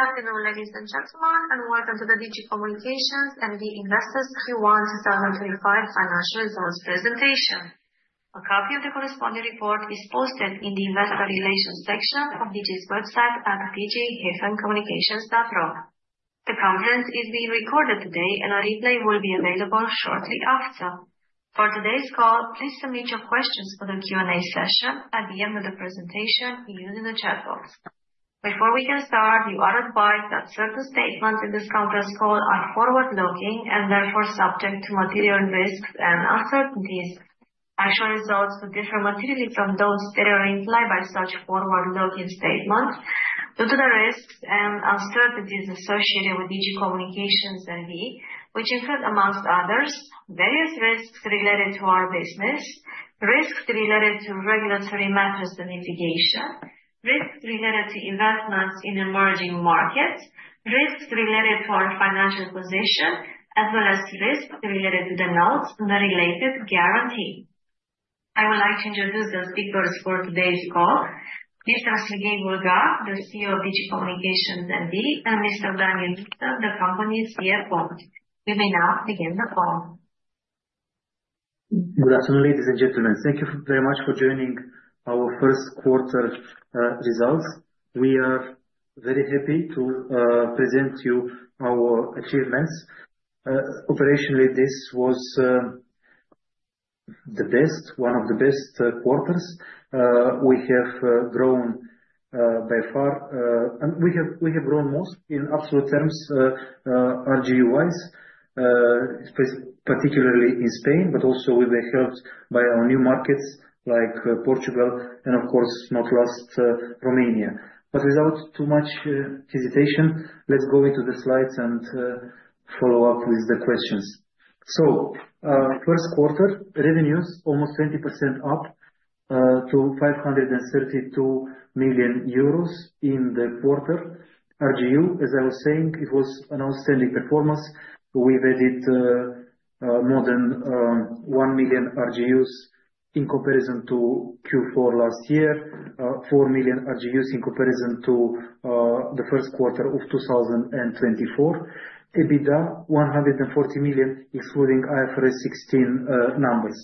Good afternoon, ladies and gentlemen, and welcome to the Digi Communications N.V. Investors Q1 2025 Financial Results presentation. A copy of the corresponding report is posted in the Investor Relations section of Digi's website at digi-communications.ro. The conference is being recorded today, and a replay will be available shortly after. For today's call, please submit your questions for the Q&A session at the end of the presentation using the chat box. Before we can start, you are advised that certain statements in this conference call are forward-looking and therefore subject to material risks and uncertainties. Actual results could differ materially from those that are implied by such forward-looking statements due to the risks and uncertainties associated with Digi Communications and we, which include, amongst others, various risks related to our business, risks related to regulatory matters and mitigation, risks related to investments in emerging markets, risks related to our financial position, as well as risks related to the notes and the related guarantee. I would like to introduce the speakers for today's call: Mr. Serghei Bulgac, the CEO of Digi Communications N.V., and Mr. Dan Ionita, the company's CFO. We may now begin the call. Good afternoon, ladies and gentlemen. Thank you very much for joining our first quarter results. We are very happy to present to you our achievements. Operationally, this was the best, one of the best quarters. We have grown by far, and we have grown most in absolute terms, RGU-wise, particularly in Spain, but also we were helped by our new markets like Portugal and, of course, not last, Romania. Without too much hesitation, let's go into the slides and follow up with the questions. First quarter revenues, almost 20% up to 532 million euros in the quarter. RGU, as I was saying, it was an outstanding performance. We've added more than 1 million RGUs in comparison to Q4 last year, 4 million RGUs in comparison to the first quarter of 2024, EBITDA 140 million, excluding IFRS 16 numbers.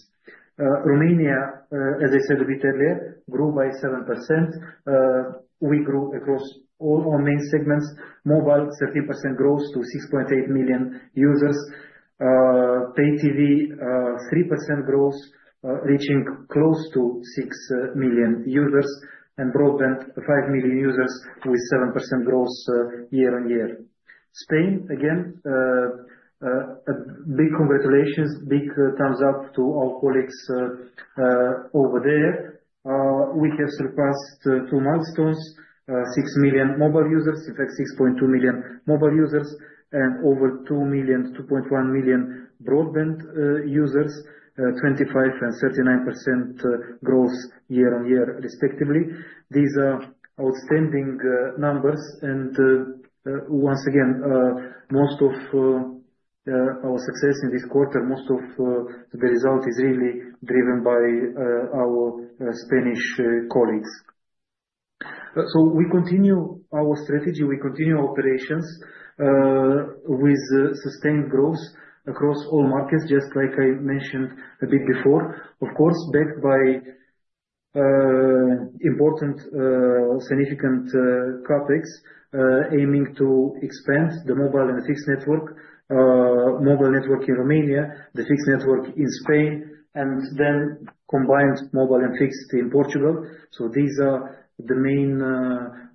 Romania, as I said a bit earlier, grew by 7%. We grew across all our main segments. Mobile, 13% growth to 6.8 million users. Pay TV, 3% growth, reaching close to 6 million users, and broadband, 5 million users with 7% growth year on year. Spain, again, big congratulations, big thumbs up to our colleagues over there. We have surpassed two milestones: 6 million mobile users, in fact, 6.2 million mobile users, and over 2 million, 2.1 million broadband users, 25% and 39% growth year-on-year, respectively. These are outstanding numbers, and once again, most of our success in this quarter, most of the result is really driven by our Spanish colleagues. We continue our strategy, we continue our operations with sustained growth across all markets, just like I mentioned a bit before, of course, backed by important, significant CapEx aiming to expand the mobile and fixed network, mobile network in Romania, the fixed network in Spain, and then combined mobile and fixed in Portugal. These are the main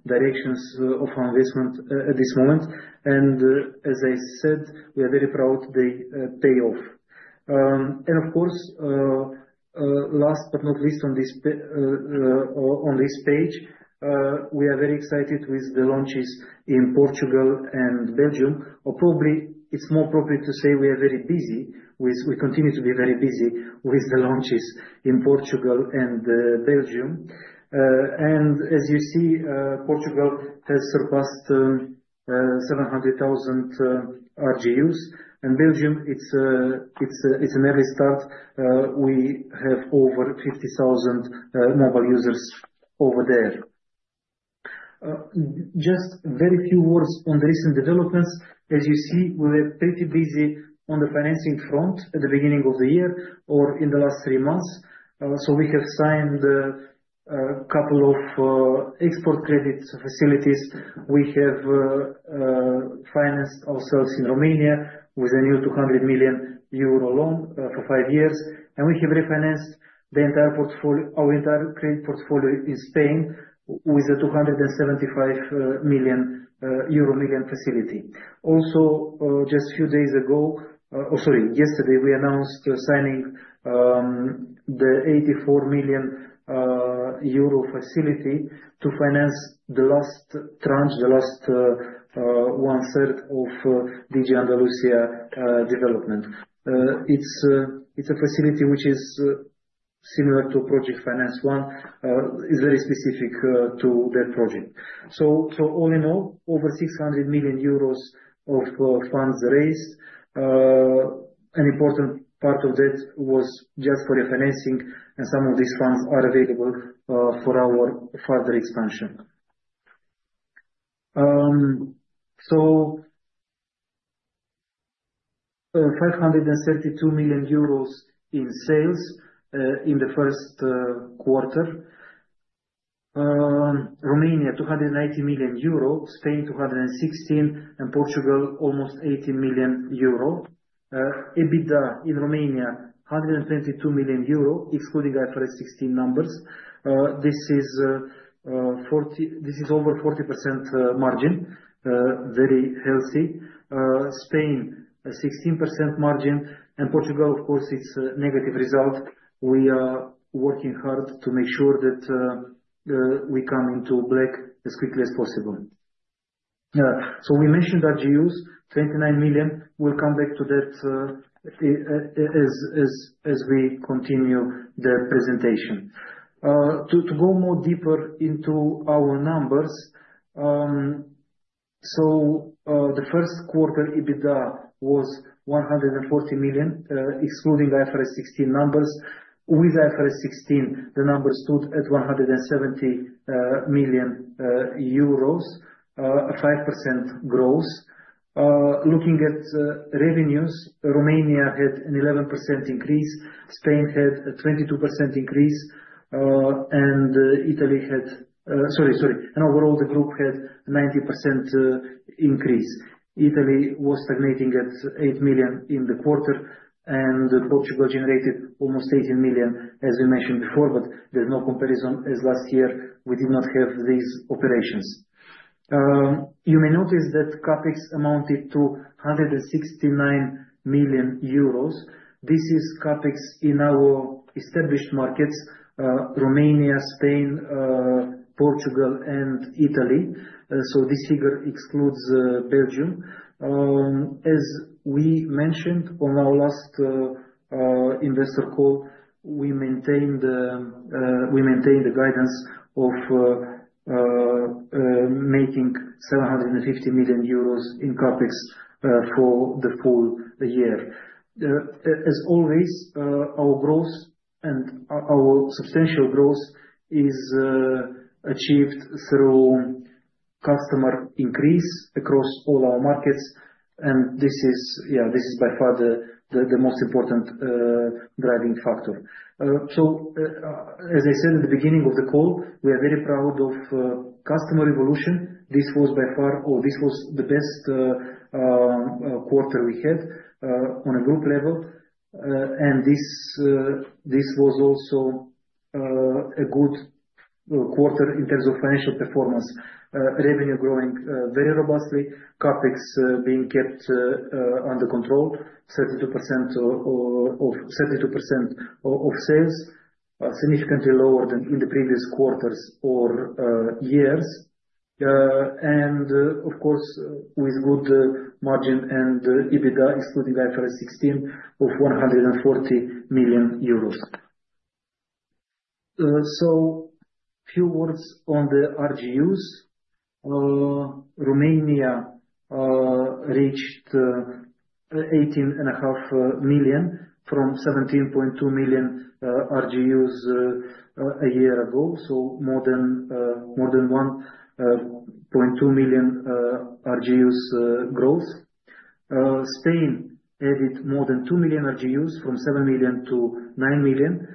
directions of our investment at this moment. As I said, we are very proud they pay off. Of course, last but not least on this page, we are very excited with the launches in Portugal and Belgium. Or probably it's more appropriate to say we are very busy with, we continue to be very busy with the launches in Portugal and Belgium. As you see, Portugal has surpassed 700,000 RGUs, and Belgium, it's an early start. We have over 50,000 mobile users over there. Just very few words on the recent developments. As you see, we were pretty busy on the financing front at the beginning of the year or in the last three months. We have signed a couple of export credit facilities. We have financed ourselves in Romania with a new 200 million euro loan for five years, and we have refinanced the entire portfolio, our entire credit portfolio in Spain with a 275 million euro facility. Also, just a few days ago, or sorry, yesterday, we announced signing the 84 million euro facility to finance the last tranche, the last one-third of Digi Andalusia development. It's a facility which is similar to Project Finance One, is very specific to that project. All in all, over 600 million euros of funds raised. An important part of that was just for refinancing, and some of these funds are available for our further expansion. 532 million euros in sales in the first quarter. Romania, 280 million euro, Spain, 216 million, and Portugal, almost 80 million euro. EBITDA in Romania, 122 million euro, excluding IFRS 16 numbers. This is over 40% margin, very healthy. Spain, a 16% margin, and Portugal, of course, it is a negative result. We are working hard to make sure that we come into black as quickly as possible. We mentioned RGUs, 29 million. We will come back to that as we continue the presentation. To go more deeper into our numbers, the first quarter EBITDA was 140 million, excluding IFRS 16 numbers. With IFRS 16, the number stood at 170 million euros, a 5% growth. Looking at revenues, Romania had an 11% increase, Spain had a 22% increase, and Italy had, sorry, sorry, and overall the group had a 90% increase. Italy was stagnating at 8 million in the quarter, and Portugal generated almost 18 million, as we mentioned before, but there's no comparison as last year we did not have these operations. You may notice that CapEx amounted to 169 million euros. This is CapEx in our established markets, Romania, Spain, Portugal, and Italy. This figure excludes Belgium. As we mentioned on our last investor call, we maintained the guidance of making 750 million euros in CapEx for the full year. As always, our growth and our substantial growth is achieved through customer increase across all our markets, and this is, yeah, this is by far the most important driving factor. As I said at the beginning of the call, we are very proud of customer evolution. This was by far, or this was the best quarter we had on a group level, and this was also a good quarter in terms of financial performance. Revenue growing very robustly, CapEx being kept under control, 32% of sales, significantly lower than in the previous quarters or years, and of course, with good margin and EBITDA, excluding IFRS 16, of 140 million euros. A few words on the RGUs. Romania reached 18.5 million from 17.2 million RGUs a year ago, so more than 1.2 million RGUs growth. Spain added more than 2 million RGUs from 7 million to 9 million.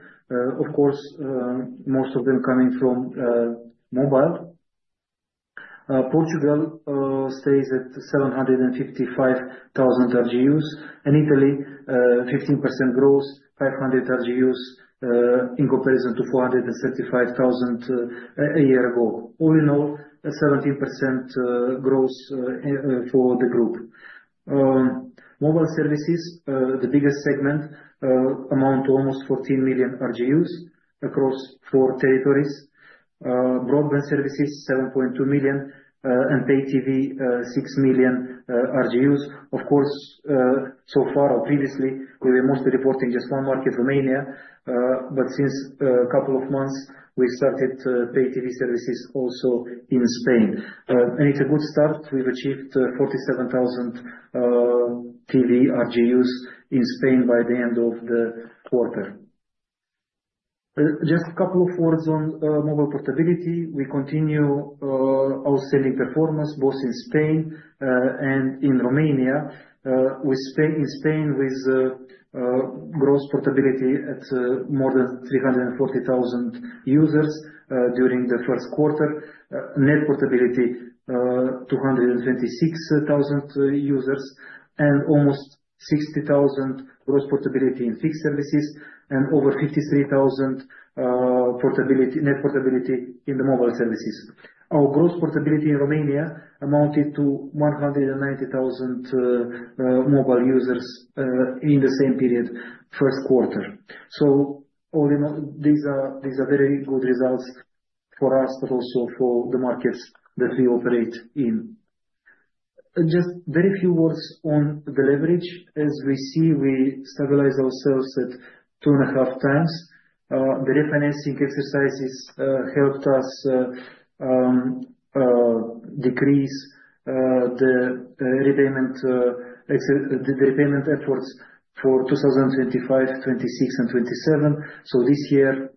Most of them coming from mobile. Portugal stays at 755,000 RGUs, and Italy, 15% growth, 500,000 RGUs in comparison to 435,000 a year ago. All in all, 17% growth for the group. Mobile services, the biggest segment, amount to almost 14 million RGUs across four territories. Broadband services, 7.2 million, and Pay TV, 6 million RGUs. Of course, so far, or previously, we were mostly reporting just one market, Romania, but since a couple of months, we started Pay TV services also in Spain. It is a good start. We have achieved 47,000 TV RGUs in Spain by the end of the quarter. Just a couple of words on mobile portability. We continue outstanding performance, both in Spain and in Romania. In Spain, with gross portability at more than 340,000 users during the first quarter, net portability 226,000 users, and almost 60,000 gross portability in fixed services, and over 53,000 net portability in the mobile services. Our gross portability in Romania amounted to 190,000 mobile users in the same period, first quarter. All in all, these are very good results for us, but also for the markets that we operate in. Just very few words on the leverage. As we see, we stabilize ourselves at 2.5x times. The refinancing exercises helped us decrease the repayment efforts for 2025, 2026, and 2027. This year,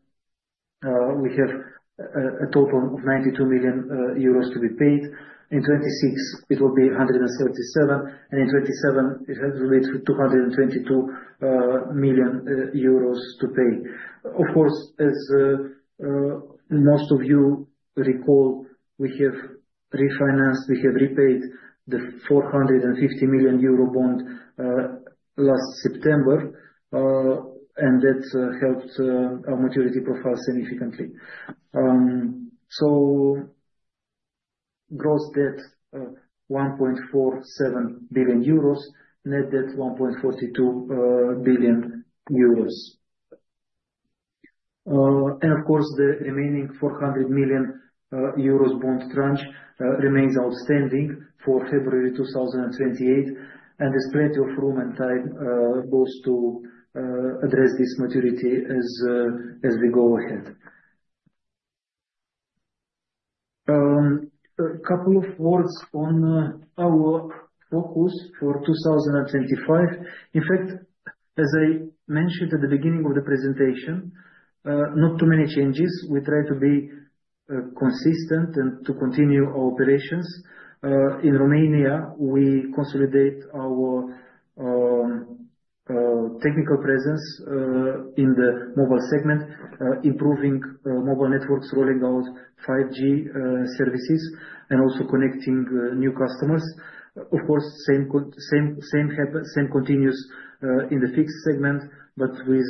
we have a total of 92 million euros to be paid. In 2026, it will be 137 million, and in 2027, it has to be 222 million euros to pay. Of course, as most of you recall, we have refinanced, we have repaid the 450 million euro bond last September, and that helped our maturity profile significantly. Gross debt, 1.47 billion euros, net debt, 1.42 billion euros. The remaining 400 million euros bond tranche remains outstanding for February 2028, and there is plenty of room and time both to address this maturity as we go ahead. A couple of words on our focus for 2025. In fact, as I mentioned at the beginning of the presentation, not too many changes. We try to be consistent and to continue our operations. In Romania, we consolidate our technical presence in the mobile segment, improving mobile networks, rolling out 5G services, and also connecting new customers. Of course, same continues in the fixed segment, but with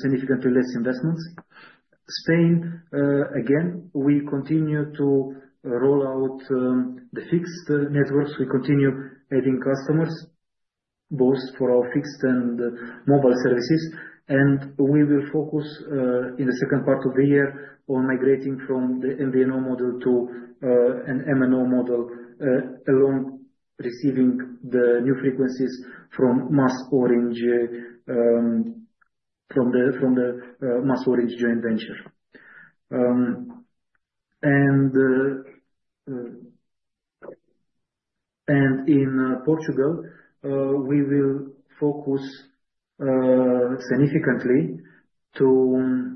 significantly less investments. Spain, again, we continue to roll out the fixed networks. We continue adding customers, both for our fixed and mobile services, and we will focus in the second part of the year on migrating from the MVNO model to an MNO model, along receiving the new frequencies from MásMóvil Orange, from the MásMóvil Orange joint venture. In Portugal, we will focus significantly to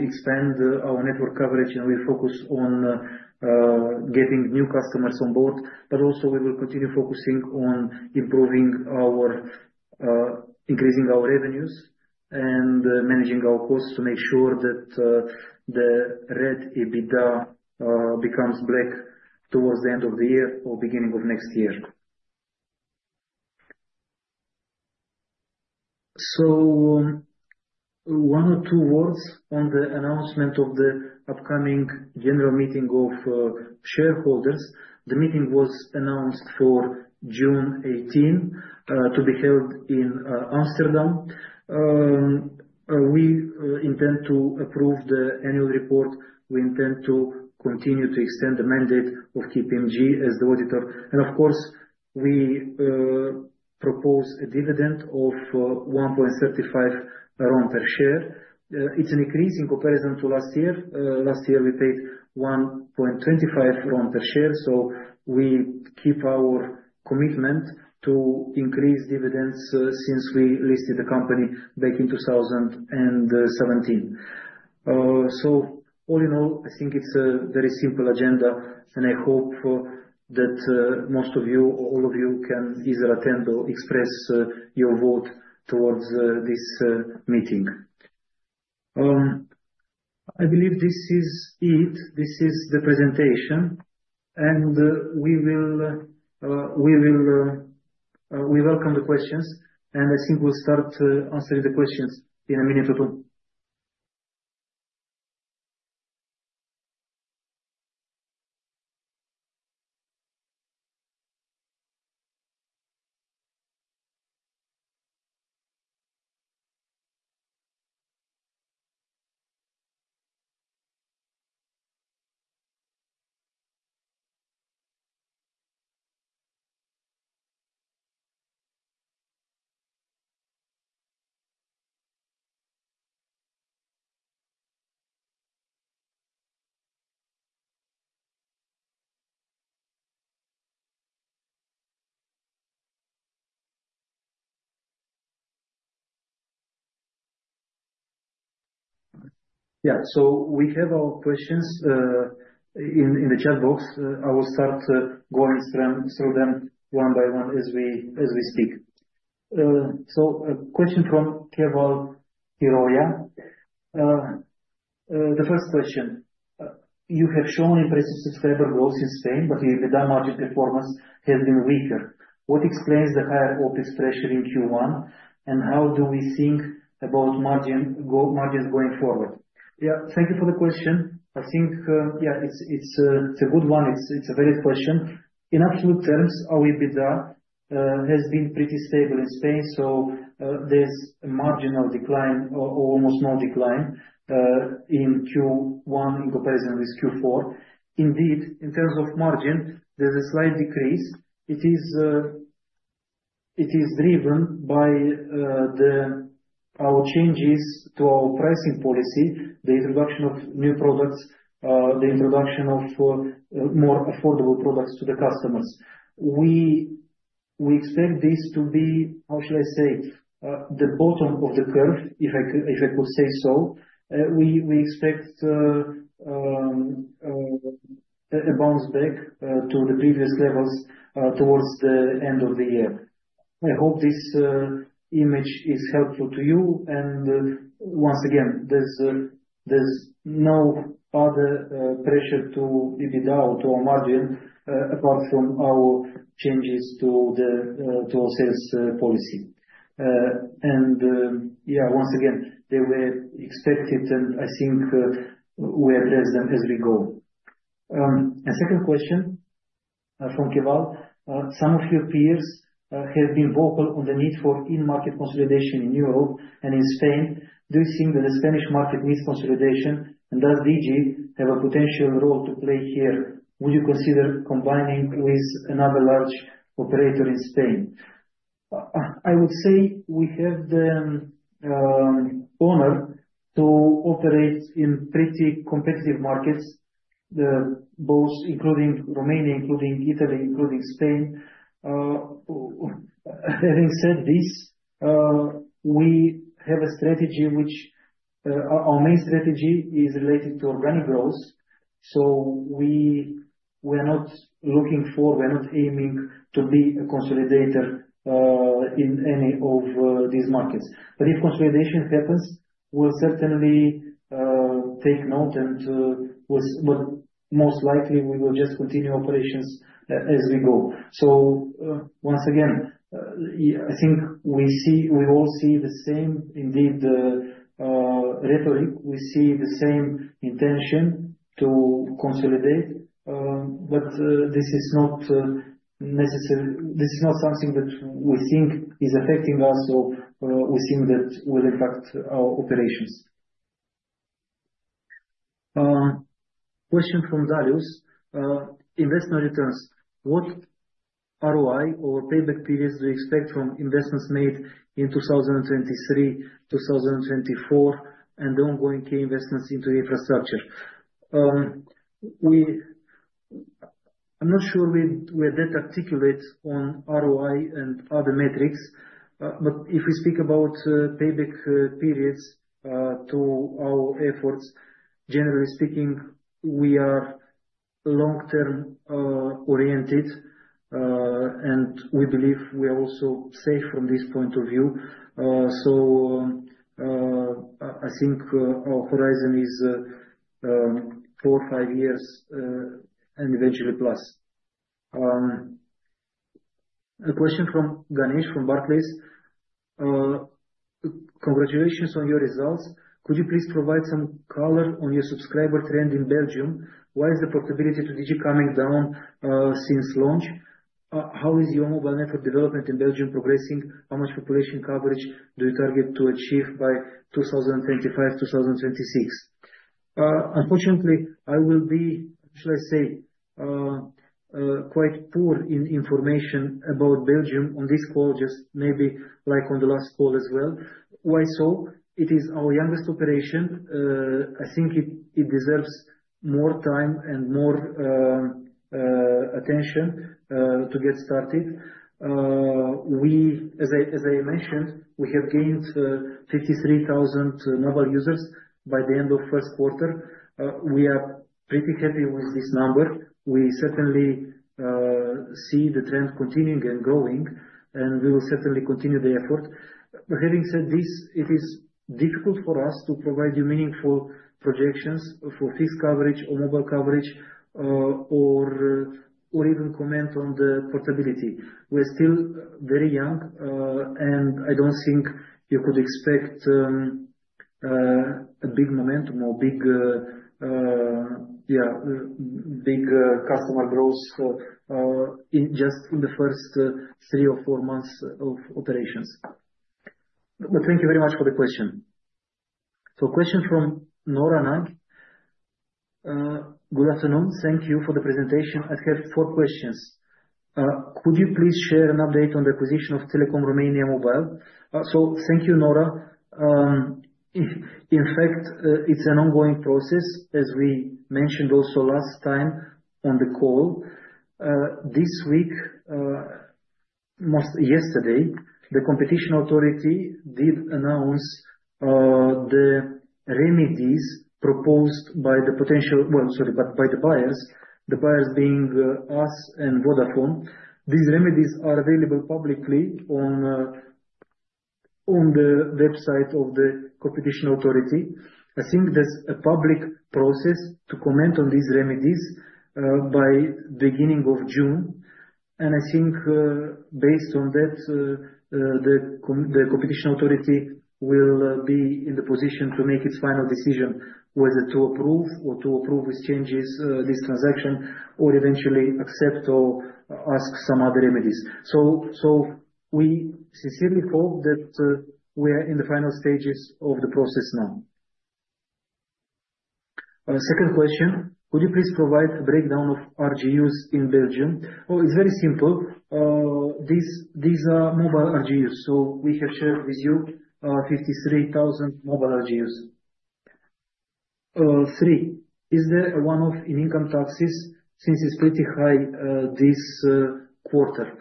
expand our network coverage, and we focus on getting new customers on board, but also we will continue focusing on improving our, increasing our revenues and managing our costs to make sure that the red EBITDA becomes black towards the end of the year or beginning of next year. One or two words on the announcement of the upcoming general meeting of shareholders. The meeting was announced for June 18 to be held in Amsterdam. We intend to approve the annual report. We intend to continue to extend the mandate of KPMG as the auditor. Of course, we propose a dividend of 1.35 per share. It is an increase in comparison to last year. Last year, we paid 1.25 per share, so we keep our commitment to increase dividends since we listed the company back in 2017. All in all, I think it's a very simple agenda, and I hope that most of you, all of you, can either attend or express your vote towards this meeting. I believe this is it. This is the presentation, and we will welcome the questions, and I think we'll start answering the questions in a minute or two. Yeah, we have our questions in the chat box. I will start going through them one by one as we speak. A question from Keval Khiroya. The first question, you have shown impressive subscriber growth in Spain, but your EBITDA margin performance has been weaker. What explains the higher OpEx pressure in Q1, and how do we think about margins going forward? Yeah, thank you for the question. I think, yeah, it's a good one. It's a valid question. In absolute terms, our EBITDA has been pretty stable in Spain, so there's a marginal decline, or almost no decline, in Q1 in comparison with Q4. Indeed, in terms of margin, there's a slight decrease. It is driven by our changes to our pricing policy, the introduction of new products, the introduction of more affordable products to the customers. We expect this to be, how shall I say, the bottom of the curve, if I could say so. We expect a bounce back to the previous levels towards the end of the year. I hope this image is helpful to you, and once again, there's no other pressure to EBITDA or to our margin apart from our changes to our sales policy. Yeah, once again, they were expected, and I think we address them as we go. A second question from Keval. Some of your peers have been vocal on the need for in-market consolidation in Europe and in Spain. Do you think that the Spanish market needs consolidation, and does Digi have a potential role to play here? Would you consider combining with another large operator in Spain? I would say we have the honor to operate in pretty competitive markets, both including Romania, including Italy, including Spain. Having said this, we have a strategy which our main strategy is related to organic growth. We are not looking for, we are not aiming to be a consolidator in any of these markets. If consolidation happens, we'll certainly take note, and most likely, we will just continue operations as we go. Once again, I think we all see the same, indeed, rhetoric. We see the same intention to consolidate, but this is not necessarily something that we think is affecting us, or we think that will impact our operations. Question from Darius. Investment returns. What ROI or payback periods do you expect from investments made in 2023, 2024, and the ongoing key investments into infrastructure? I'm not sure we are that articulate on ROI and other metrics, but if we speak about payback periods to our efforts, generally speaking, we are long-term oriented, and we believe we are also safe from this point of view. I think our horizon is four, five years, and eventually plus. A question from Ganesh from Barclays. Congratulations on your results. Could you please provide some color on your subscriber trend in Belgium? Why is the portability to Digi coming down since launch? How is your mobile network development in Belgium progressing? How much population coverage do you target to achieve by 2025, 2026? Unfortunately, I will be, how shall I say, quite poor in information about Belgium on this call, just maybe like on the last call as well. Why so? It is our youngest operation. I think it deserves more time and more attention to get started. As I mentioned, we have gained 53,000 mobile users by the end of first quarter. We are pretty happy with this number. We certainly see the trend continuing and growing, and we will certainly continue the effort. Having said this, it is difficult for us to provide you meaningful projections for fixed coverage or mobile coverage, or even comment on the portability. We're still very young, and I don't think you could expect a big momentum or big, yeah, big customer growth just in the first three or four months of operations. Thank you very much for the question. Question from Nora Nag. Good afternoon. Thank you for the presentation. I have four questions. Could you please share an update on the acquisition of Telecom Romania Mobile? Thank you, Nora. In fact, it's an ongoing process, as we mentioned also last time on the call. This week, yesterday, the competition authority did announce the remedies proposed by the potential, sorry, by the buyers, the buyers being us and Vodafone. These remedies are available publicly on the website of the competition authority. I think there's a public process to comment on these remedies by the beginning of June. I think based on that, the competition authority will be in the position to make its final decision whether to approve these changes, this transaction, or eventually accept or ask some other remedies. We sincerely hope that we are in the final stages of the process now. Second question. Could you please provide a breakdown of RGUs in Belgium? Oh, it is very simple. These are mobile RGUs. We have shared with you 53,000 mobile RGUs. Three. Is there a one-off in income taxes since it is pretty high this quarter?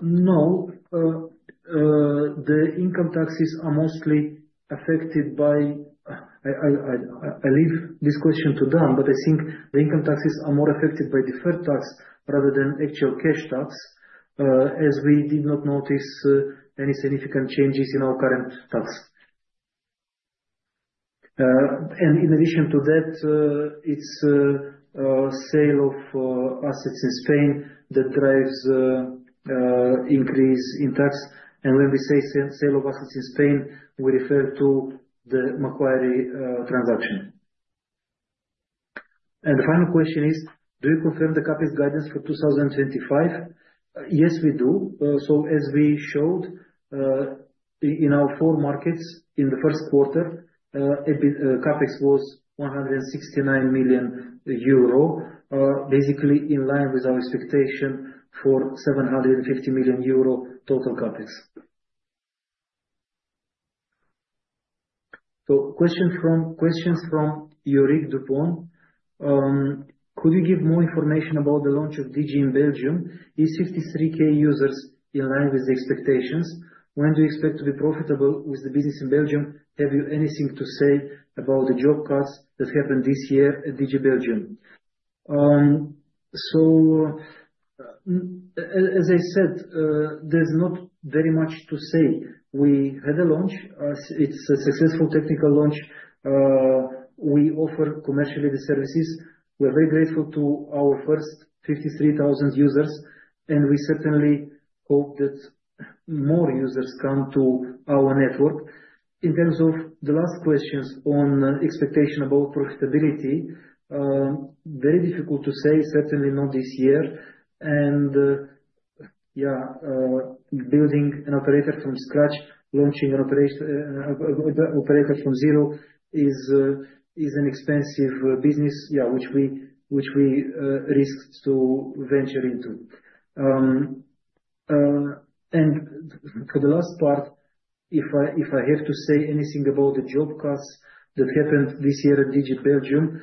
No. The income taxes are mostly affected by—I leave this question to Dan, but I think the income taxes are more affected by deferred tax rather than actual cash tax, as we did not notice any significant changes in our current tax. In addition to that, it is sale of assets in Spain that drives increase in tax. When we say sale of assets in Spain, we refer to the Macquarie transaction. The final question is, do you confirm the CapEx guidance for 2025? Yes, we do. As we showed in our four markets in the first quarter, CapEx was 169 million euro, basically in line with our expectation for 750 million euro total CapEx. Questions from Yorick Dupon. Could you give more information about the launch of Digi in Belgium? Is 53,000 users in line with the expectations? When do you expect to be profitable with the business in Belgium? Have you anything to say about the job cuts that happened this year at Digi Belgium? As I said, there's not very much to say. We had a launch. It's a successful technical launch. We offer commercially the services. We're very grateful to our first 53,000 users, and we certainly hope that more users come to our network. In terms of the last questions on expectation about profitability, very difficult to say, certainly not this year. Yeah, building an operator from scratch, launching an operator from zero is an expensive business, yeah, which we risk to venture into. For the last part, if I have to say anything about the job cuts that happened this year at Digi Belgium,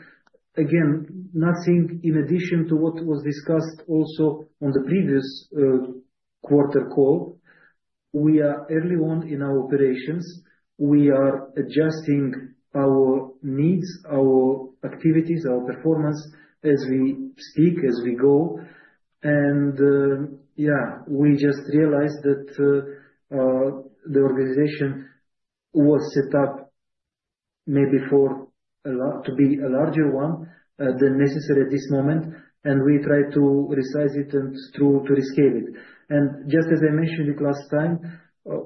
again, nothing in addition to what was discussed also on the previous quarter call. We are early on in our operations. We are adjusting our needs, our activities, our performance as we speak, as we go. Yeah, we just realized that the organization was set up maybe to be a larger one than necessary at this moment, and we try to resize it and to rescale it. Just as I mentioned last time,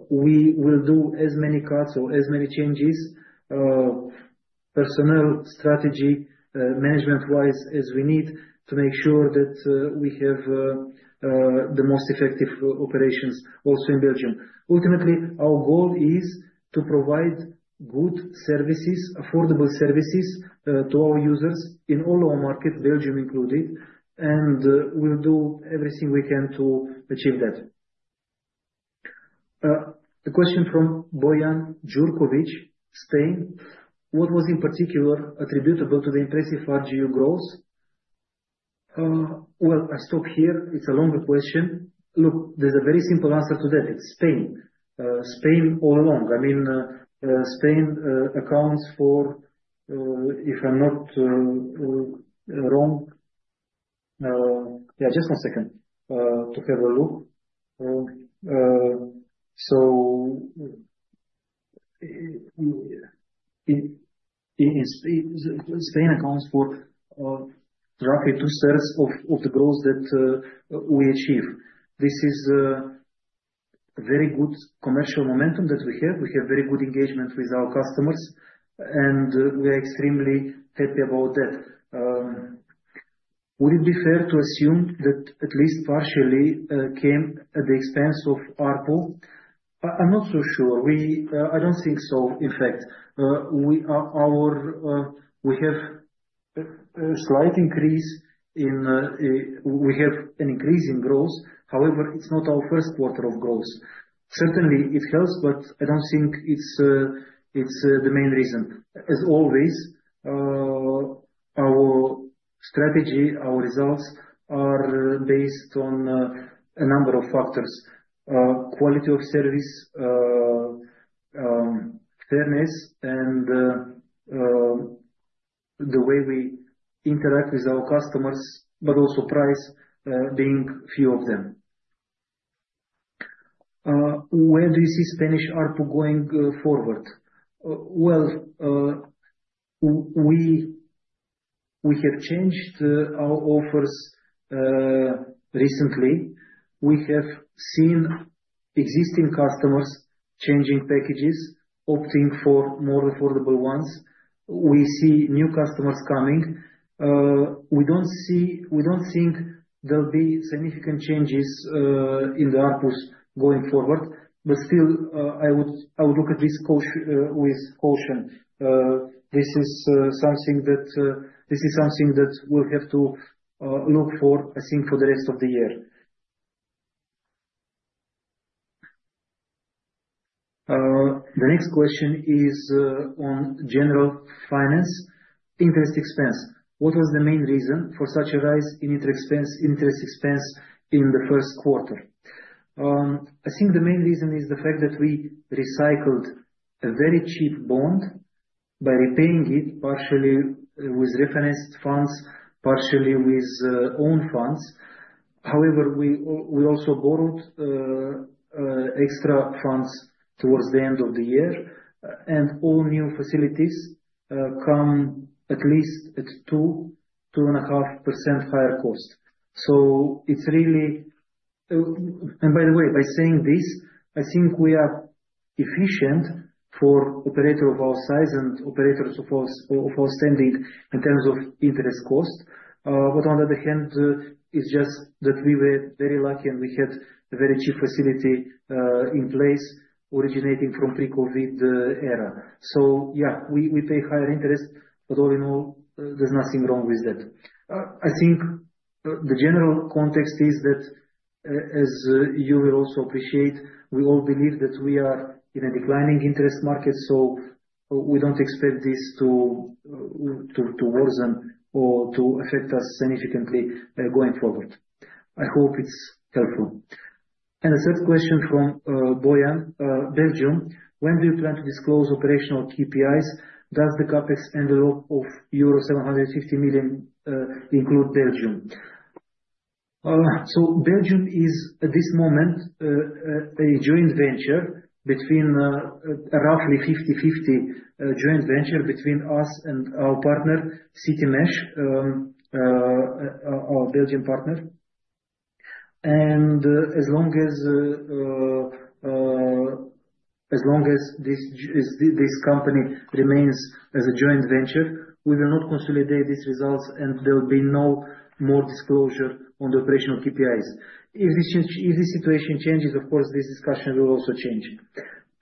we will do as many cuts or as many changes, personnel, strategy, management-wise as we need to make sure that we have the most effective operations also in Belgium. Ultimately, our goal is to provide good services, affordable services to our users in all our markets, Belgium included, and we'll do everything we can to achieve that. The question from Bojan Jurković, Spain. What was in particular attributable to the impressive RGU growth? I stop here. It's a longer question. Look, there's a very simple answer to that. It's Spain. Spain all along. I mean, Spain accounts for, if I'm not wrong. Yeah, just one second to have a look. Spain accounts for roughly two-thirds of the growth that we achieve. This is a very good commercial momentum that we have. We have very good engagement with our customers, and we are extremely happy about that. Would it be fair to assume that at least partially came at the expense of ARPU? I'm not so sure. I don't think so, in fact. We have a slight increase in, we have an increase in growth. However, it's not our first quarter of growth. Certainly, it helps, but I don't think it's the main reason. As always, our strategy, our results are based on a number of factors: quality of service, fairness, and the way we interact with our customers, but also price being a few of them. Where do you see Spanish ARPU going forward? We have changed our offers recently. We have seen existing customers changing packages, opting for more affordable ones. We see new customers coming. We don't think there'll be significant changes in the ARPUs going forward, but still, I would look at this with caution. This is something that, this is something that we'll have to look for, I think, for the rest of the year. The next question is on general finance interest expense. What was the main reason for such a rise in interest expense in the first quarter? I think the main reason is the fact that we recycled a very cheap bond by repaying it partially with refinanced funds, partially with own funds. However, we also borrowed extra funds towards the end of the year, and all new facilities come at least at 2%-2.5% higher cost. It is really, and by the way, by saying this, I think we are efficient for operators of our size and operators of our standing in terms of interest cost. On the other hand, it is just that we were very lucky and we had a very cheap facility in place originating from pre-COVID era. Yeah, we pay higher interest, but all in all, there is nothing wrong with that. I think the general context is that, as you will also appreciate, we all believe that we are in a declining interest market, so we do not expect this to worsen or to affect us significantly going forward. I hope it is helpful. The third question from Bojan, Belgium. When do you plan to disclose operational KPIs? Does the CapEx envelope of euro 750 million include Belgium? Belgium is, at this moment, a joint venture, roughly 50/50 joint venture between us and our partner, Citymesh, our Belgian partner. As long as this company remains as a joint venture, we will not consolidate these results, and there will be no more disclosure on the operational KPIs. If this situation changes, of course, this discussion will also change.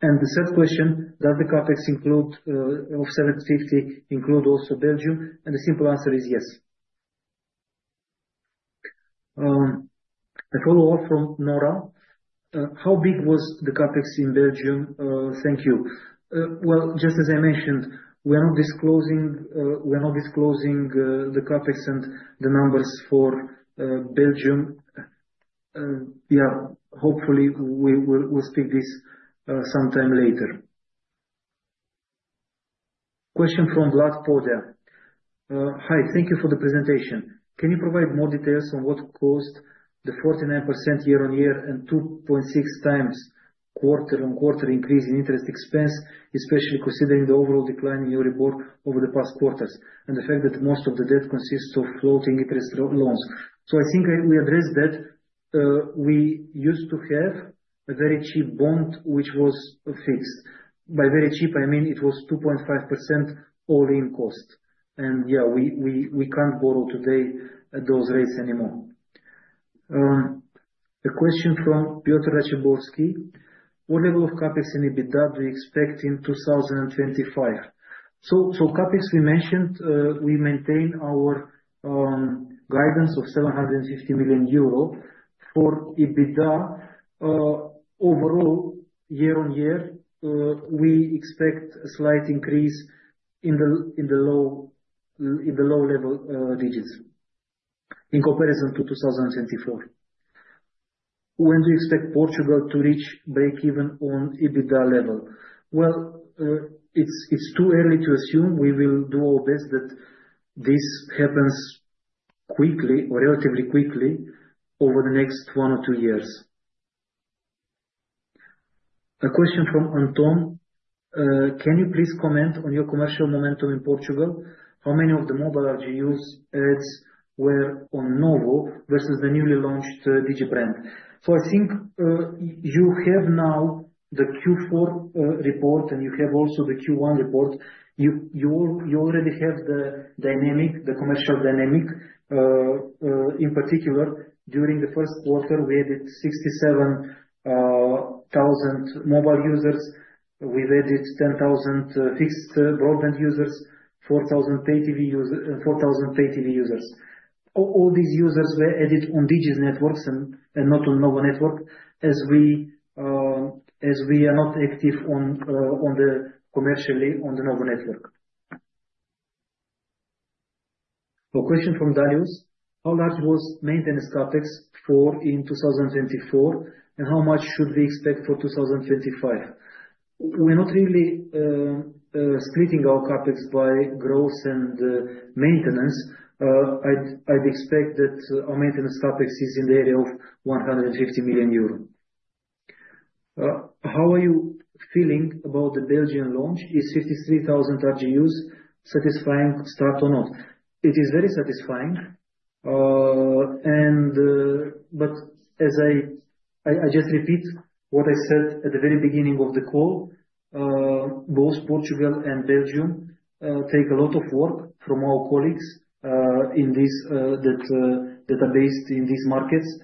The third question, does the CapEx of 750 million include also Belgium? The simple answer is yes. A follow-up from Nora. How big was the CapEx in Belgium? Thank you. Just as I mentioned, we are not disclosing the CapEx and the numbers for Belgium. Hopefully, we'll speak this sometime later. Question from Vlad Poder. Hi. Thank you for the presentation. Can you provide more details on what caused the 49% year-on-year and 2.6x times quarter-on-quarter increase in interest expense, especially considering the overall decline in your report over the past quarters and the fact that most of the debt consists of floating interest loans? I think we addressed that. We used to have a very cheap bond, which was fixed. By very cheap, I mean it was 2.5% all-in cost. We can't borrow today at those rates anymore. A question from Piotr Raciborski. What level of CapEx and EBITDA do you expect in 2025? CapEx, we mentioned, we maintain our guidance of 750 million euro for EBITDA. Overall, year-on-year, we expect a slight increase in the low-level digits in comparison to 2024. When do you expect Portugal to reach break-even on EBITDA level? It is too early to assume. We will do our best that this happens quickly or relatively quickly over the next one or two years. A question from Anton. Can you please comment on your commercial momentum in Portugal? How many of the mobile RGUs ads were on Novo versus the newly launched DigiBrand? I think you have now the Q4 report, and you have also the Q1 report. You already have the dynamic, the commercial dynamic. In particular, during the first quarter, we added 67,000 mobile users. We've added 10,000 fixed broadband users, 4,000 pay TV users. All these users were added on Digi's networks and not on Novo Network as we are not active commercially on the Novo Network. A question from Danius. How large was maintenance CapEx for in 2024, and how much should we expect for 2025? We're not really splitting our CapEx by growth and maintenance. I'd expect that our maintenance CapEx is in the area of 150 million euro. How are you feeling about the Belgian launch? Is 53,000 RGUs satisfying start or not? It is very satisfying. As I just repeat what I said at the very beginning of the call, both Portugal and Belgium take a lot of work from our colleagues that are based in these markets.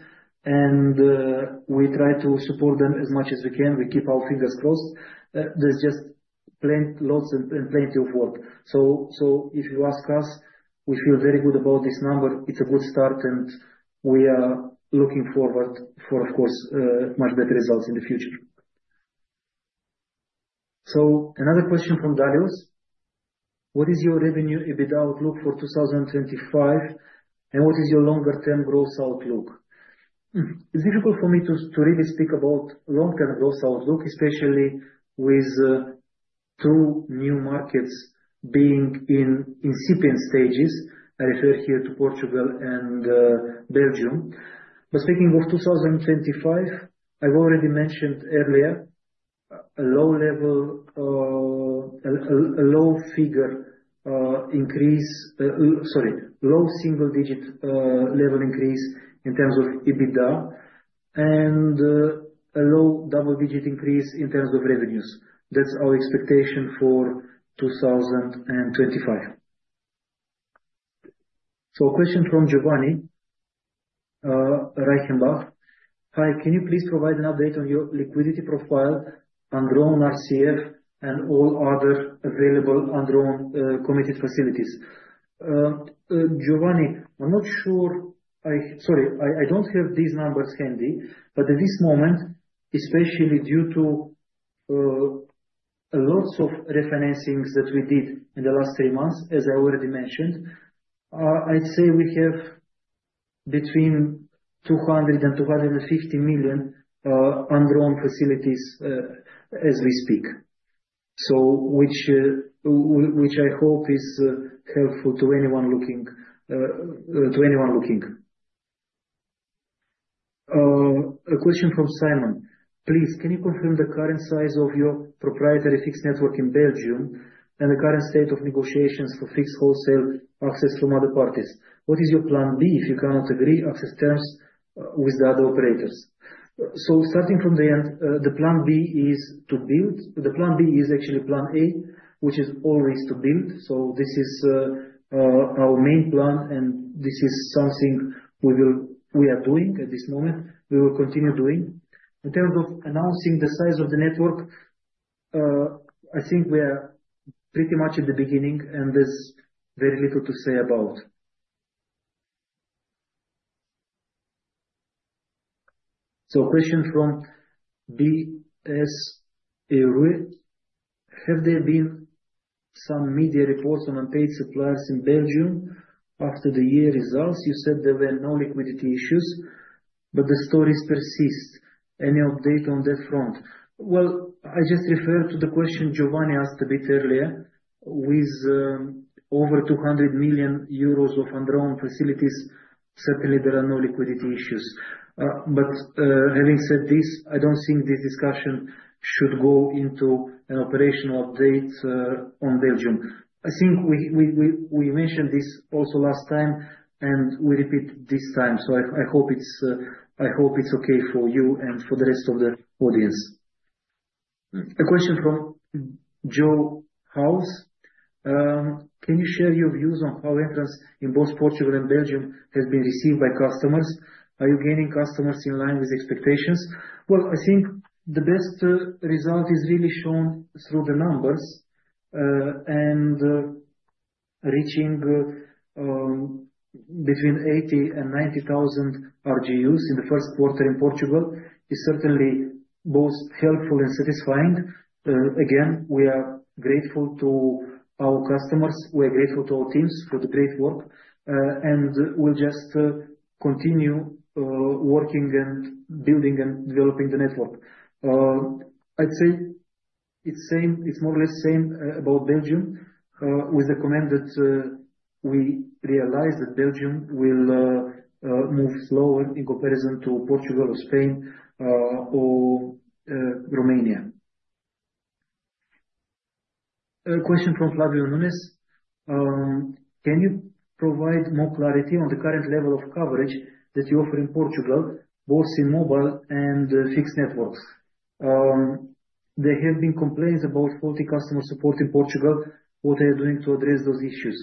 We try to support them as much as we can. We keep our fingers crossed. There's just plenty of work. If you ask us, we feel very good about this number. It's a good start, and we are looking forward, of course, to much better results in the future. Another question from Darius. What is your revenue EBITDA outlook for 2025, and what is your longer-term growth outlook? It's difficult for me to really speak about long-term growth outlook, especially with two new markets being in incipient stages. I refer here to Portugal and Belgium. Speaking of 2025, I've already mentioned earlier a low single-digit level increase in terms of EBITDA and a low double-digit increase in terms of revenues. That's our expectation for 2025. A question from Giovanni Reichenbach. Hi. Can you please provide an update on your liquidity profile, Androne RCF, and all other available Androne committed facilities? Giovanni, I'm not sure. Sorry, I don't have these numbers handy, but at this moment, especially due to lots of refinancings that we did in the last three months, as I already mentioned, I'd say we have between EUR 200 million-EUR 250 million Androne facilities as we speak, which I hope is helpful to anyone looking. A question from Simon. Please, can you confirm the current size of your proprietary fixed network in Belgium and the current state of negotiations for fixed wholesale access from other parties? What is your plan B if you cannot agree access terms with the other operators? Starting from the end, the plan B is to build. The plan B is actually plan A, which is always to build. This is our main plan, and this is something we are doing at this moment. We will continue doing. In terms of announcing the size of the network, I think we are pretty much at the beginning, and there's very little to say about. A question from BS Erwe. Have there been some media reports on unpaid suppliers in Belgium after the year results? You said there were no liquidity issues, but the stories persist. Any update on that front? I just referred to the question Giovanni asked a bit earlier with over 200 million euros of Androne facilities. Certainly, there are no liquidity issues. Having said this, I don't think this discussion should go into an operational update on Belgium. I think we mentioned this also last time, and we repeat this time. I hope it's okay for you and for the rest of the audience. A question from Joe House. Can you share your views on how entrants in both Portugal and Belgium have been received by customers? Are you gaining customers in line with expectations? I think the best result is really shown through the numbers. Reaching between 80,000 and 90,000 RGUs in the first quarter in Portugal is certainly both helpful and satisfying. We are grateful to our customers. We are grateful to our teams for the great work. We will just continue working and building and developing the network. I would say it is more or less the same about Belgium with the comment that we realize that Belgium will move slower in comparison to Portugal or Spain or Romania. A question from Flavio Nunes. Can you provide more clarity on the current level of coverage that you offer in Portugal, both in mobile and fixed networks? There have been complaints about faulty customer support in Portugal. What are you doing to address those issues?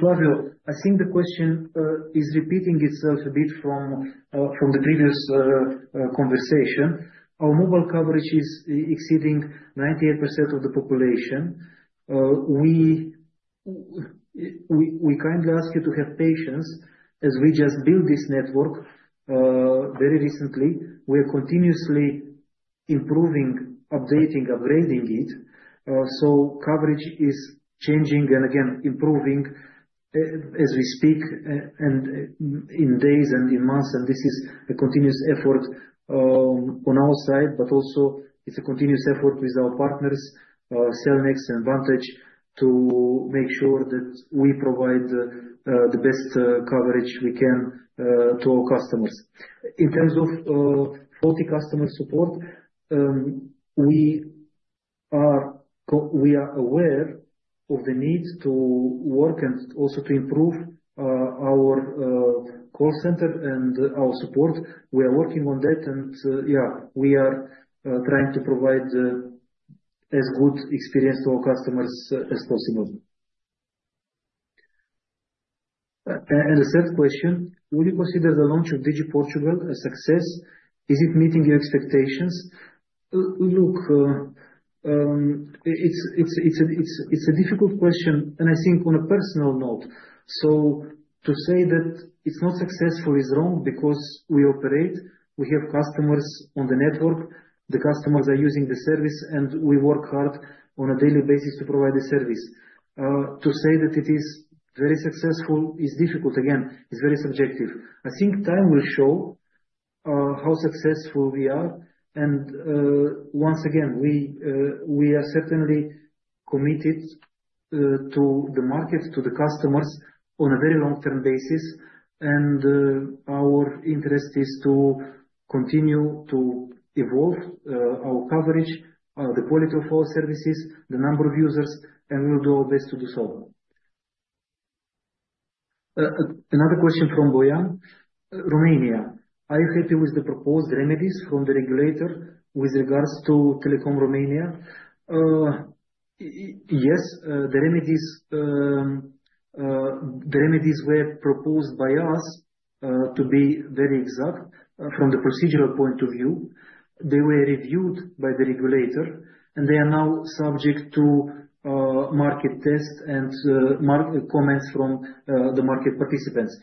Flavio, I think the question is repeating itself a bit from the previous conversation. Our mobile coverage is exceeding 98% of the population. We kindly ask you to have patience as we just built this network very recently. We are continuously improving, updating, upgrading it. Coverage is changing and again improving as we speak and in days and in months. This is a continuous effort on our side, but also it's a continuous effort with our partners, CellNext and Vantage, to make sure that we provide the best coverage we can to our customers. In terms of faulty customer support, we are aware of the need to work and also to improve our call center and our support. We are working on that. Yeah, we are trying to provide as good experience to our customers as possible. The third question, would you consider the launch of Digi Portugal a success? Is it meeting your expectations? Look, it's a difficult question, and I think on a personal note. To say that it's not successful is wrong because we operate, we have customers on the network, the customers are using the service, and we work hard on a daily basis to provide the service. To say that it is very successful is difficult. Again, it's very subjective. I think time will show how successful we are. Once again, we are certainly committed to the market, to the customers on a very long-term basis. Our interest is to continue to evolve our coverage, the quality of our services, the number of users, and we'll do our best to do so. Another question from Bojan. Romania. Are you happy with the proposed remedies from the regulator with regards to Telecom Romania? Yes. The remedies were proposed by us to be very exact from the procedural point of view. They were reviewed by the regulator, and they are now subject to market test and comments from the market participants.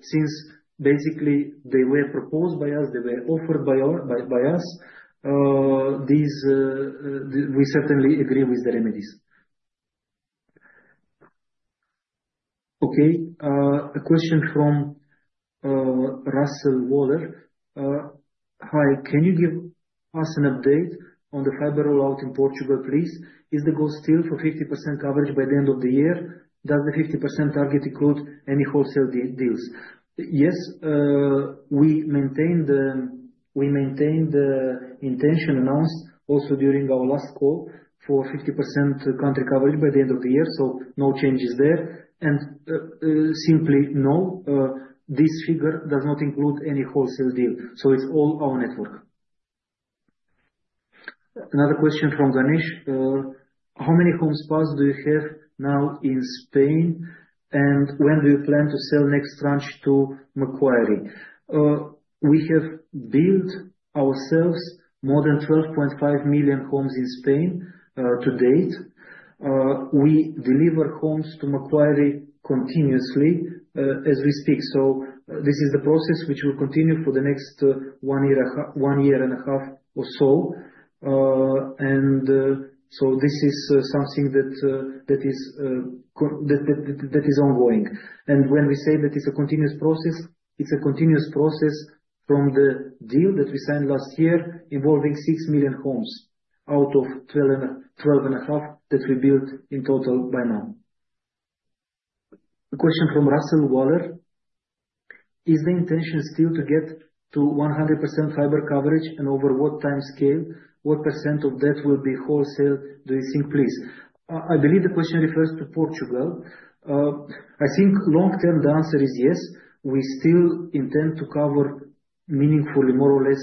Since basically they were proposed by us, they were offered by us, we certainly agree with the remedies. Okay. A question from Russell Waller. Hi. Can you give us an update on the fiber rollout in Portugal, please? Is the goal still for 50% coverage by the end of the year? Does the 50% target include any wholesale deals? Yes. We maintained the intention announced also during our last call for 50% country coverage by the end of the year. No changes there. No, this figure does not include any wholesale deal. It is all our network. Another question from Ganesh. How many homes passed do you have now in Spain, and when do you plan to sell the next tranche to Macquarie? We have built ourselves more than 12.5 million homes in Spain to date. We deliver homes to Macquarie continuously as we speak. This is a process which will continue for the next one and a half years or so. This is something that is ongoing. When we say that it is a continuous process, it is a continuous process from the deal that we signed last year involving 6 million homes out of the 12.5 million that we have built in total by now. A question from Russell Waller. Is the intention still to get to 100% fiber coverage and over what timescale? What % of that will be wholesale, do you think, please? I believe the question refers to Portugal. I think long-term, the answer is yes. We still intend to cover meaningfully, more or less,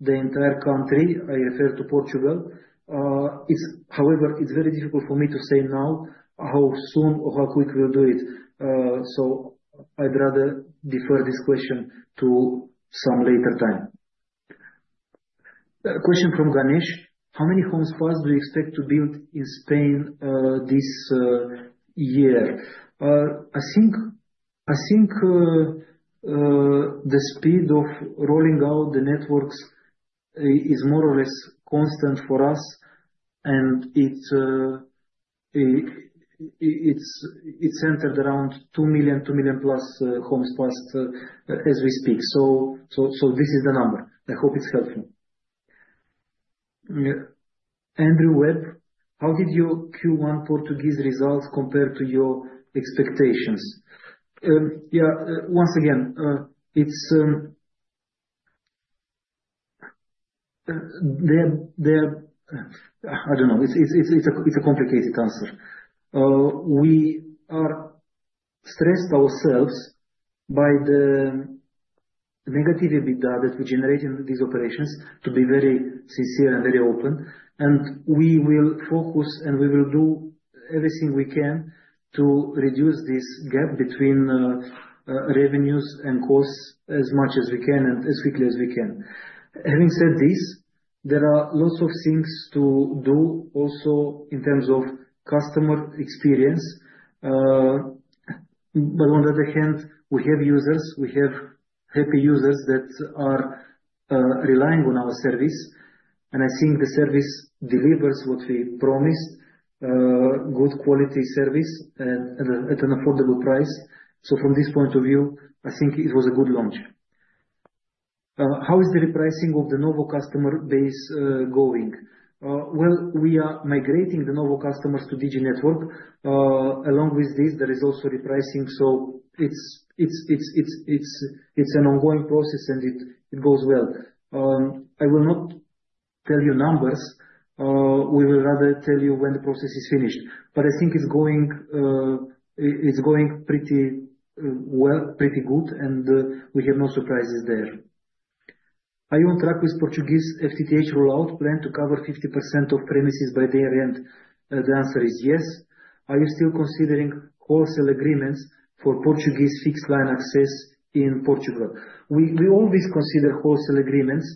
the entire country. I refer to Portugal. However, it's very difficult for me to say now how soon or how quick we'll do it. I'd rather defer this question to some later time. A question from Ganesh. How many home spas do you expect to build in Spain this year? I think the speed of rolling out the networks is more or less constant for us, and it's centered around 2 million-2 million plus home spas as we speak. This is the number. I hope it's helpful. Andrew Webb. How did your Q1 Portuguese results compare to your expectations? Yeah. Once again, I don't know. It's a complicated answer. We are stressed ourselves by the negative EBITDA that we generate in these operations, to be very sincere and very open. We will focus, and we will do everything we can to reduce this gap between revenues and costs as much as we can and as quickly as we can. Having said this, there are lots of things to do also in terms of customer experience. On the other hand, we have users. We have happy users that are relying on our service. I think the service delivers what we promised, good quality service at an affordable price. From this point of view, I think it was a good launch. How is the repricing of the Novo customer base going? We are migrating the Novo customers to Digi Network. Along with this, there is also repricing. It is an ongoing process, and it goes well. I will not tell you numbers. We will rather tell you when the process is finished. I think it's going pretty well, pretty good, and we have no surprises there. Are you on track with Portuguese FTTH rollout plan to cover 50% of premises by the year end? The answer is yes. Are you still considering wholesale agreements for Portuguese fixed line access in Portugal? We always consider wholesale agreements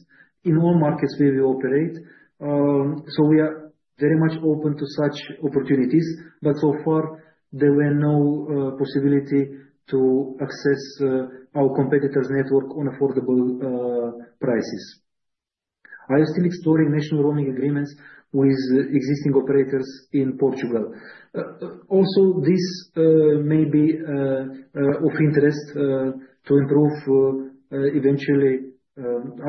in all markets where we operate. We are very much open to such opportunities. So far, there were no possibility to access our competitors' network on affordable prices. Are you still exploring national roaming agreements with existing operators in Portugal? Also, this may be of interest to improve eventually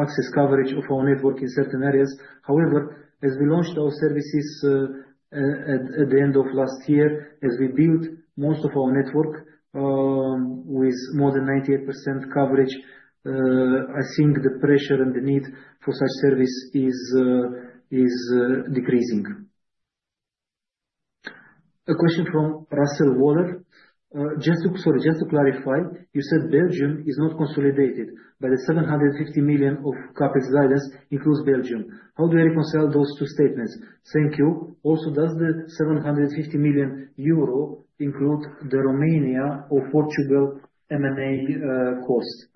access coverage of our network in certain areas. However, as we launched our services at the end of last year, as we built most of our network with more than 98% coverage, I think the pressure and the need for such service is decreasing. A question from Russell Waller. Sorry, just to clarify, you said Belgium is not consolidated, but the 750 million of CapEx guidance includes Belgium. How do I reconcile those two statements? Thank you. Also, does the 750 million euro include the Romania or Portugal M&A cost?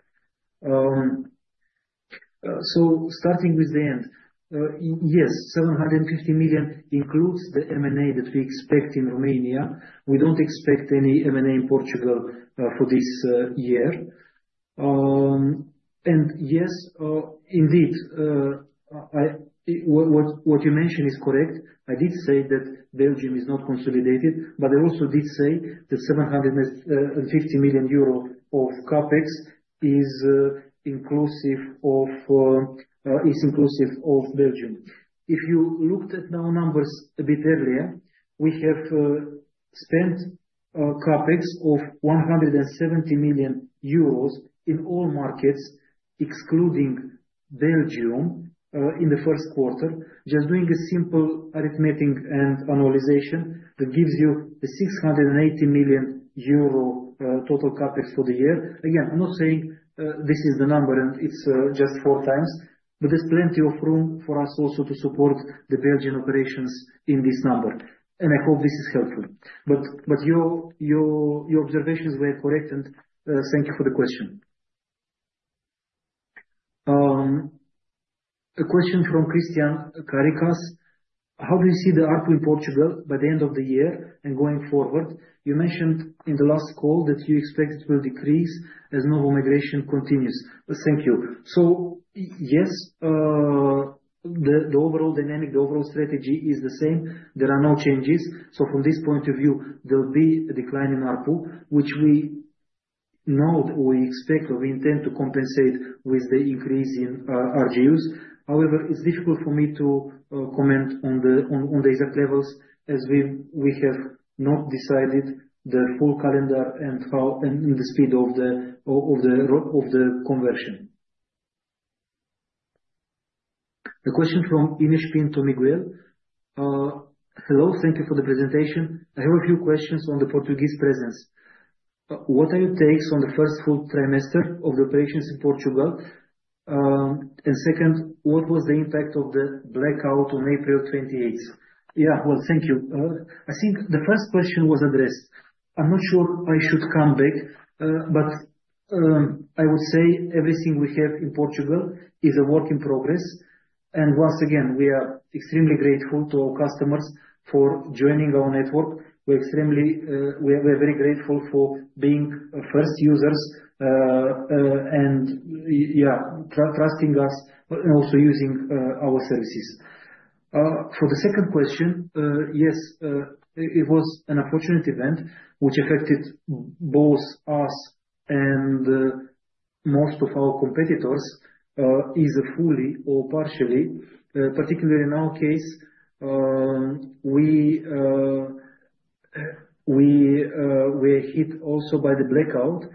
Starting with the end, yes, 750 million includes the M&A that we expect in Romania. We do not expect any M&A in Portugal for this year. Yes, indeed, what you mentioned is correct. I did say that Belgium is not consolidated, but I also did say that EUR 750 million of CapEx is inclusive of Belgium. If you looked at our numbers a bit earlier, we have spent CapEx of 170 million euros in all markets, excluding Belgium, in the first quarter. Just doing a simple arithmetic and annualization that gives you the 680 million euro total CapEx for the year. Again, I'm not saying this is the number, and it's just four times, but there's plenty of room for us also to support the Belgian operations in this number. I hope this is helpful. Your observations were correct, and thank you for the question. A question from Christian Caricas. How do you see the ARPU in Portugal by the end of the year and going forward? You mentioned in the last call that you expect it will decrease as Novo migration continues. Thank you. Yes, the overall dynamic, the overall strategy is the same. There are no changes. From this point of view, there'll be a decline in ARPU, which we know that we expect or we intend to compensate with the increase in RGUs. However, it's difficult for me to comment on the exact levels as we have not decided the full calendar and the speed of the conversion. A question from Inês Pinto Miguel. Hello. Thank you for the presentation. I have a few questions on the Portuguese presence. What are your takes on the first full trimester of the operations in Portugal? Second, what was the impact of the blackout on April 28th? Yeah. Thank you. I think the first question was addressed. I'm not sure I should come back, but I would say everything we have in Portugal is a work in progress. Once again, we are extremely grateful to our customers for joining our network. We're extremely very grateful for being first users and, yeah, trusting us and also using our services. For the second question, yes, it was an unfortunate event which affected both us and most of our competitors either fully or partially. Particularly in our case, we were hit also by the blackout.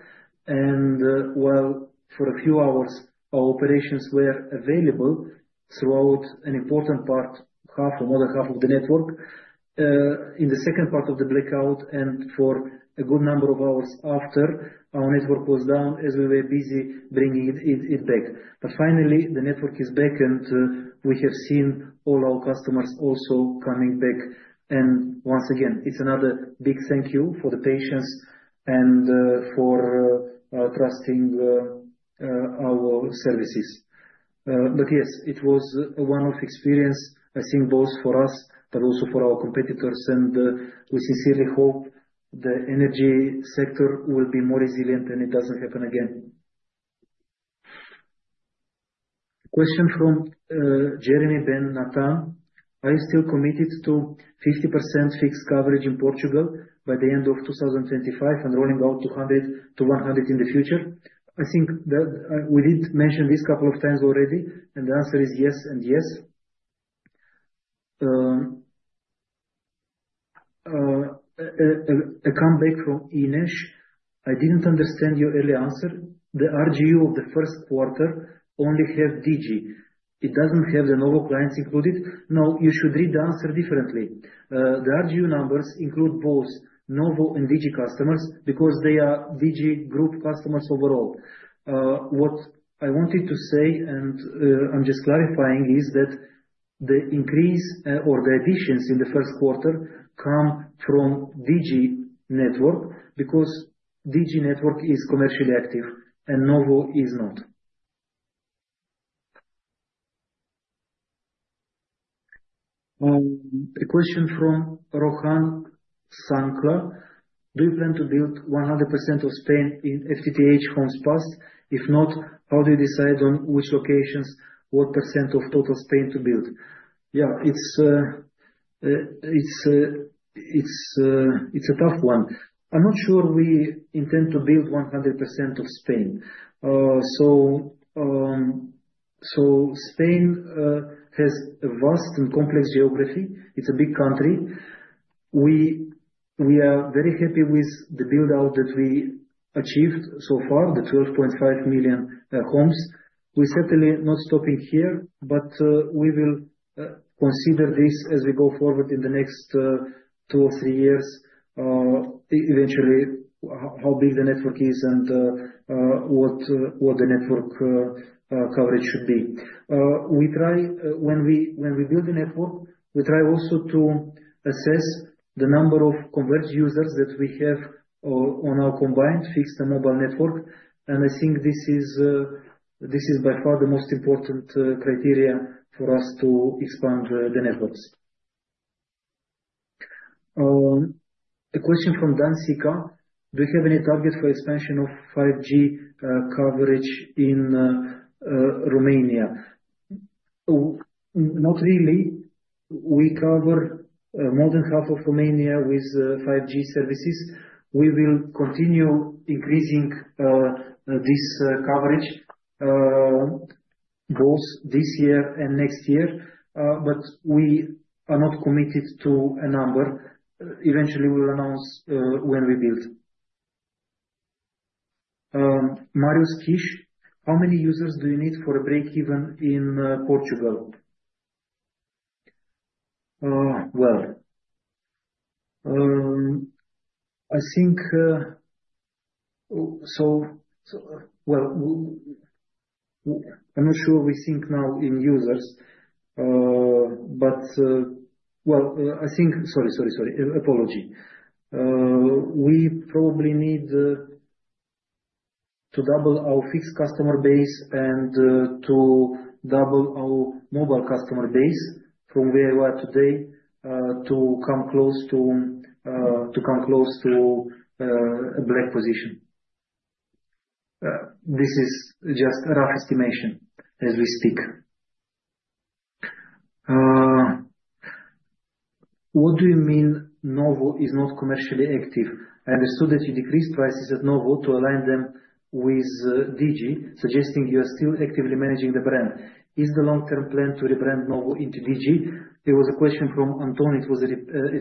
While for a few hours, our operations were available throughout an important part, half or more than half of the network in the second part of the blackout, and for a good number of hours after, our network was down as we were busy bringing it back. Finally, the network is back, and we have seen all our customers also coming back. Once again, it's another big thank you for the patience and for trusting our services. Yes, it was a one-off experience, I think, both for us, but also for our competitors. We sincerely hope the energy sector will be more resilient, and it doesn't happen again. Question from Jeremy Ben Nathan. Are you still committed to 50% fixed coverage in Portugal by the end of 2025 and rolling out to 100 in the future? I think that we did mention this a couple of times already, and the answer is yes and yes. A comeback from Inish. I didn't understand your early answer. The RGU of the first quarter only has Digi. It doesn't have the Novo clients included. No, you should read the answer differently. The RGU numbers include both Novo and Digi customers because they are Digi group customers overall. What I wanted to say, and I'm just clarifying, is that the increase or the additions in the first quarter come from Digi network because Digi network is commercially active and Novo is not. A question from Rohan Shankar. Do you plan to build 100% of Spain in FTTH home spas? If not, how do you decide on which locations, what % of total Spain to build? Yeah, it's a tough one. I'm not sure we intend to build 100% of Spain. Spain has a vast and complex geography. It's a big country. We are very happy with the build-out that we achieved so far, the 12.5 million homes. We're certainly not stopping here, but we will consider this as we go forward in the next two or three years, eventually, how big the network is and what the network coverage should be. When we build a network, we try also to assess the number of converted users that we have on our combined fixed and mobile network. I think this is by far the most important criteria for us to expand the networks. A question from Dan Sica. Do you have any target for expansion of 5G coverage in Romania? Not really. We cover more than half of Romania with 5G services. We will continue increasing this coverage both this year and next year, but we are not committed to a number. Eventually, we'll announce when we build. Marius Kish, how many users do you need for a break even in Portugal? I think, I am not sure we think now in users, but I think, sorry, apology. We probably need to double our fixed customer base and to double our mobile customer base from where we are today to come close to a black position. This is just a rough estimation as we speak. What do you mean Novo is not commercially active? I understood that you decreased prices at Novo to align them with Digi, suggesting you are still actively managing the brand. Is the long-term plan to rebrand Novo into Digi? There was a question from Anton. It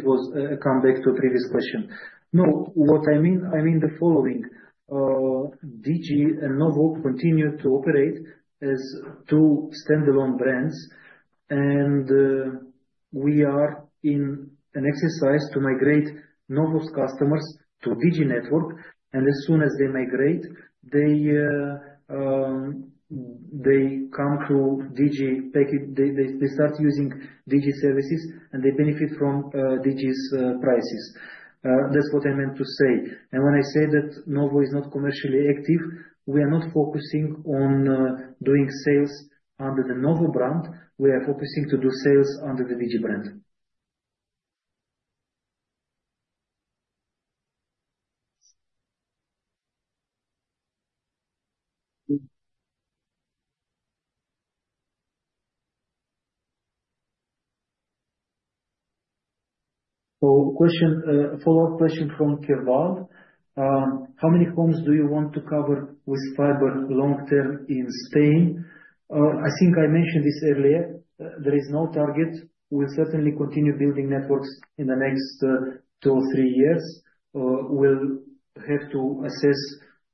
was a comeback to a previous question. No, what I mean, I mean the following. Digi and Novo continue to operate as two standalone brands, and we are in an exercise to migrate Novo's customers to Digi network. As soon as they migrate, they come to Digi. They start using Digi services, and they benefit from Digi's prices. That's what I meant to say. When I say that Novo is not commercially active, we are not focusing on doing sales under the Novo brand. We are focusing on doing sales under the Digi brand. A follow-up question from Keval. How many homes do you want to cover with fiber long-term in Spain? I think I mentioned this earlier. There is no target. We'll certainly continue building networks in the next two or three years. We'll have to assess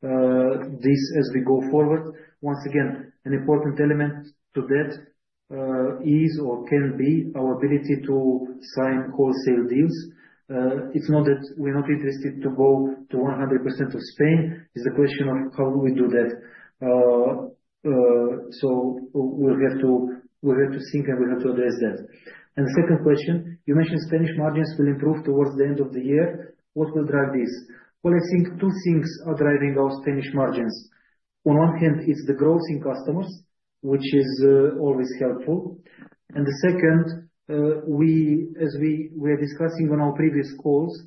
this as we go forward. Once again, an important element to that is or can be our ability to sign wholesale deals. It's not that we're not interested to go to 100% of Spain. It's a question of how do we do that. We have to think, and we have to address that. The second question, you mentioned Spanish margins will improve towards the end of the year. What will drive this? I think two things are driving our Spanish margins. On one hand, it's the growth in customers, which is always helpful. The second, as we were discussing on our previous calls,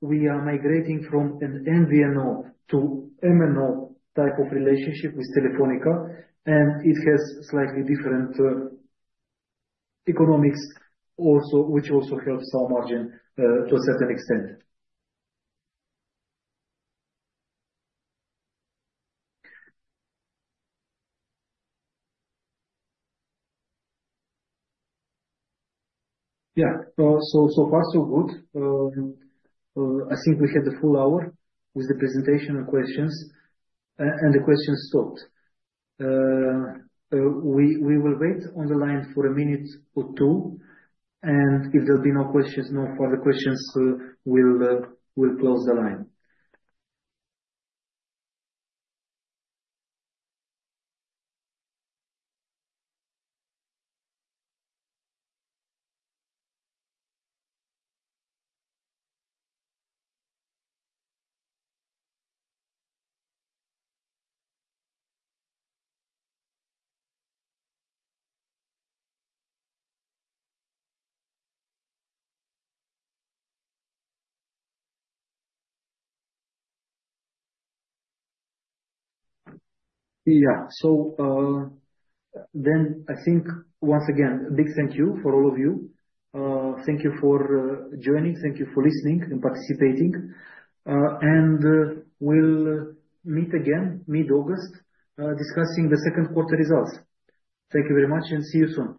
we are migrating from an MVNO to MNO type of relationship with Telefónica, and it has slightly different economics also, which also helps our margin to a certain extent. Yeah. So far, so good. I think we had a full hour with the presentation and questions, and the questions stopped. We will wait on the line for a minute or two, and if there are no questions, no further questions, we'll close the line. Yeah. I think, once again, a big thank you for all of you. Thank you for joining. Thank you for listening and participating. We'll meet again mid-August discussing the second quarter results. Thank you very much, and see you soon.